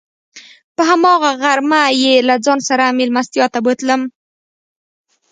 په هماغه غرمه یې له ځان سره میلمستیا ته بوتلم.